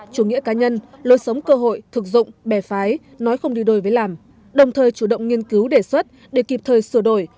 chủ nghĩa cá nhân lôi sống cơ hội thực dụng bè phái nói không đi đôi với làm đồng thời chủ động nghiên cứu đề xuất để kịp thời sửa đổi